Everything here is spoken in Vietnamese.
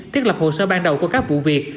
thiết lập hồ sơ ban đầu của các vụ việc